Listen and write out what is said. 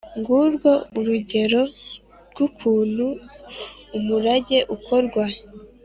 ngurwo urugero rw’ukuntu umurage ukorwa